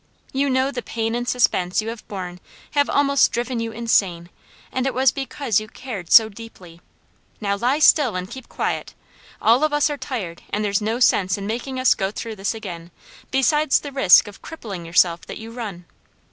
You know the pain and suspense you have borne have almost driven you insane, and it was because you cared so deeply. Now lie still, and keep quiet! All of us are tired and there's no sense in making us go through this again, besides the risk of crippling yourself that you run.